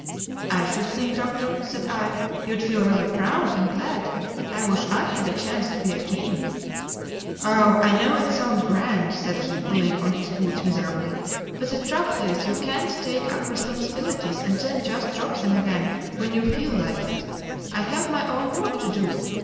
"I should think, Doctor," said I, "you'd feel rather proud and glad. I wish I had a chance to be a king." "Oh I know it sounds grand," said he, pulling on his boots miserably. "But the trouble is, you can't take up responsibilities and then just drop them again when you feel like it. I have my own work to do.